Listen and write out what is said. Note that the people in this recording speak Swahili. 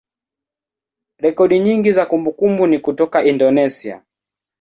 rekodi nyingi za kumbukumbu ni kutoka Indonesia.